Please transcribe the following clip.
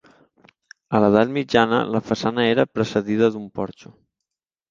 A l'Edat Mitjana, la façana era precedida d'un porxo.